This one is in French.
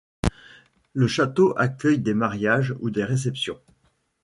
Le château accueille des mariages ou des réceptions.